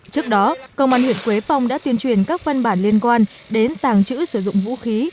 trước đó công an huyện quế phong đã tuyên truyền các văn bản liên quan đến tàng trữ sử dụng vũ khí